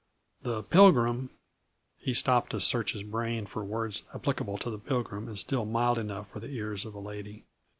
The Pilgrim " He stopped to search his brain for words applicable to the Pilgrim and still mild enough for the ears of a lady.